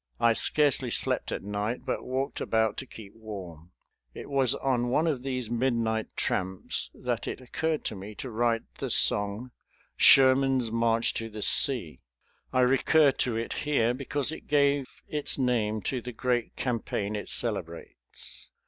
I scarcely slept at night, but walked about to keep warm. It was on one of these midnight tramps that it occurred to me to write the song, "Sherman's March to the Sea." I recur to it here because it gave its name to the great campaign it celebrates.